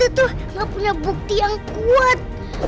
kita tuh gak punya bukti yang kuat